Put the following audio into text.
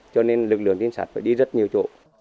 cho nên lực lượng trinh sát phải đi rất nhiều chỗ